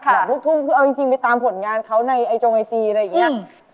ลูกทุ่งคือเอาจริงไปตามผลงานเขาในไอจงไอจีอะไรอย่างนี้